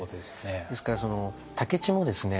ですから武市もですね